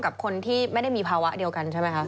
กับคนที่ไม่ได้มีภาวะเดียวกันใช่ไหมคะ